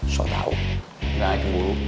tidak ada yang cemburu